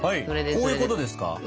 こういうことですか？